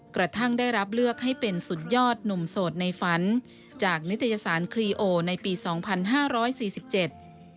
กระทั่งได้รับเลือกให้เป็นสุดยอดหนุ่มโสดในฝันจากนิตยสารครีโอในปีสองพันห้าร้อยสี่สิบเจ็ด